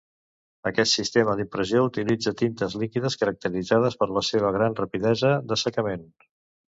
Aquest sistema d'impressió utilitza tintes líquides caracteritzades per la seva gran rapidesa d'assecament.